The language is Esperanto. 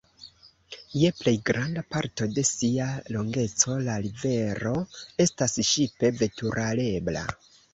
Je plej granda parto de sia longeco la rivero estas ŝipe veturebla.